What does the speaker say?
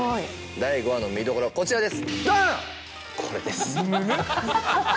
第５話の見どころ、こちらです。